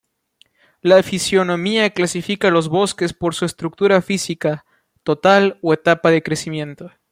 La fisionomía clasifica los bosques por su estructura física total o etapa de crecimiento.